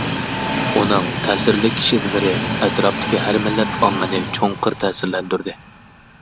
ئۇنىڭ تەسىرلىك ئىش ئىزلىرى ئەتراپتىكى ھەر مىللەت ئاممىنى چوڭقۇر تەسىرلەندۈردى.